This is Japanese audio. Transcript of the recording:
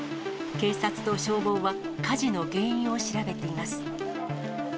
警察と消防は、火事の原因を調べています。